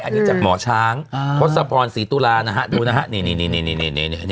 อันนี้จากหมอช้างพศพรศรีตุลานะฮะดูนะฮะนี่นี่นี่นี่นี่